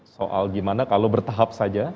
soal gimana kalau bertahap saja